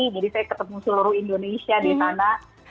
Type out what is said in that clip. jadi saya ketemu seluruh indonesia di sana